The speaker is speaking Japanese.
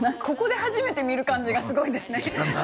ここで初めて見る感じがすごいですね